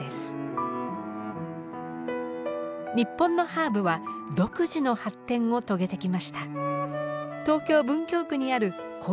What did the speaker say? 日本のハーブは独自の発展を遂げてきました。